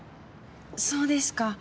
そうですか。